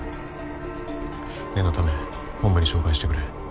念のため本部に照会してくれ。